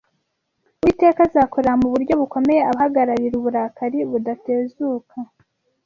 Uwiteka azakorera mu buryo bukomeye abahagararira ukuri badatezuka